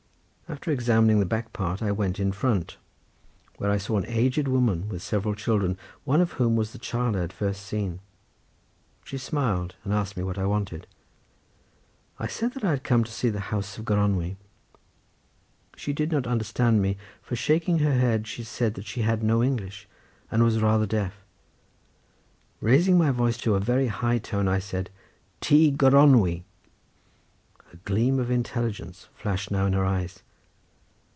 After examining the back part I went in front, where I saw an aged woman with several children, one of whom was the child I had first seen; she smiled and asked me what I wanted. I said that I had come to see the house of Gronwy. She did not understand me, for shaking her head she said that she had no English, and was rather deaf. Raising my voice to a very high tone I said: "Tŷ Gronwy!" A gleam of intelligence flashed now in her eyes.